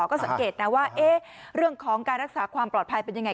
ก็สังเกตนะว่าเรื่องของการรักษาความปลอดภัยเป็นยังไง